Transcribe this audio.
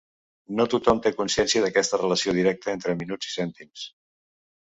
No tothom té consciència d'aquesta relació directa entre minuts i cèntims.